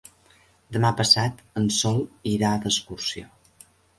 Demà passat en Sol irà d'excursió.